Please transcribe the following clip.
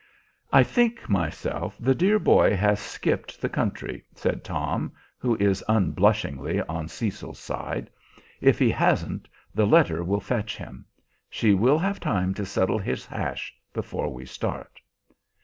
"I think, myself, the dear boy has skipped the country," said Tom, who is unblushingly on Cecil's side. "If he hasn't, the letter will fetch him. She will have time to settle his hash before we start."